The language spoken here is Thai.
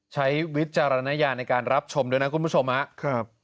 วิจารณญาณในการรับชมด้วยนะคุณผู้ชมครับ